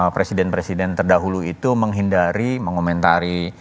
presiden presiden terdahulu itu menghindari mengomentari